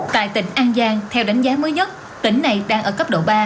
tại tỉnh an giang theo đánh giá mới nhất tỉnh này đang ở cấp độ ba